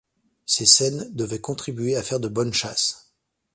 Ces scènes devaient contribuer à faire de bonnes chasses.